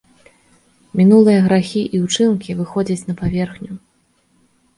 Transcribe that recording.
Мінулыя грахі і ўчынкі выходзяць на паверхню.